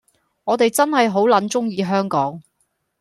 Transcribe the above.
我哋真係好撚鍾意香港